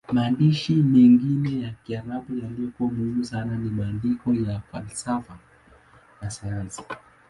Maandishi mengine ya Kiarabu yaliyokuwa muhimu sana ni maandiko ya falsafa na sayansi.